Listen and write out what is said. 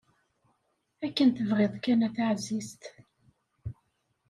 Akken tebɣiḍ kan a taɛzizt.